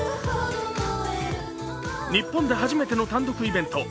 日本で初めての単独イベント。